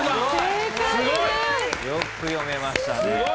すごい！よく読めましたね。